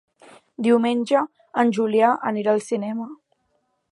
Diumenge en Julià anirà al cinema.